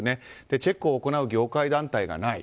チェックを行う業界団体がない。